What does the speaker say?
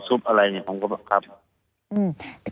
ผมก็แบบครับ